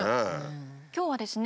今日はですね